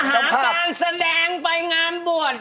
มาหาการแสดงไปงามบุษน์